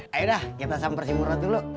ayo dah kita sampersimuro dulu